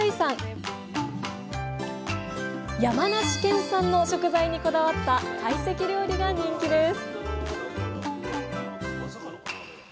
山梨県産の食材にこだわった懐石料理が人気です